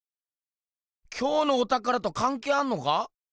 今日のおたからとかんけいあんのか？